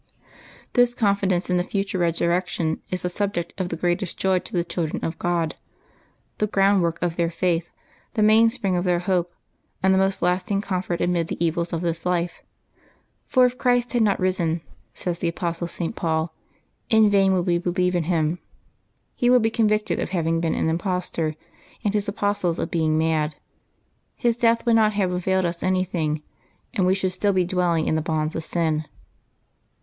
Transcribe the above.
This confidence in the future resurrection is a subject of the greatest joy to the children of God, the groundwork cl their faith, the mainspring of their hope, and the mos"*; last ing comfort amid the evils of this life. For if Christ had not risen, says the apostle St. Paul, in vain would we be lieve in Him. He would be convicted of having been an impostor, and His apostles of being mad ; His death would not have availed us anything, and we should still be dwell ing in the bonds of sin.